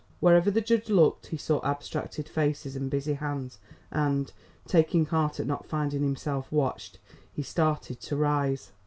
Wherever the judge looked he saw abstracted faces and busy hands, and, taking heart at not finding himself watched, he started to rise.